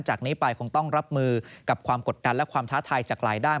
จากนี้ไปคงต้องรับมือกับความกดดันและความท้าทายจากหลายด้าน